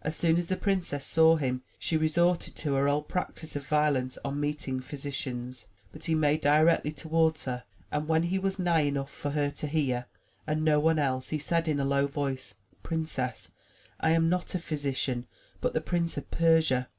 As soon as the princess saw him, she resorted to her old practice of violence on meeting physicians, but he made directly toward her, and when he was nigh enough for her to hear, and no one else, he said in a low voice: ''Prin cess, I am not a physician, but the Prince of Persia.''